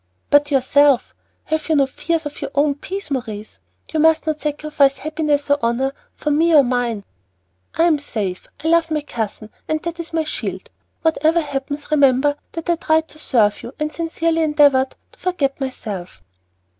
"But yourself, have you no fears for your own peace, Maurice? You must not sacrifice happiness or honor, for me or mine." "I am safe; I love my cousin, and that is my shield. Whatever happens remember that I tried to serve you, and sincerely endeavored to forget myself."